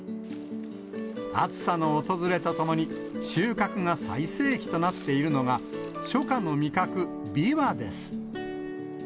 暑さの訪れとともに、収穫が最盛期となっているのが、初夏の味覚、ビワです。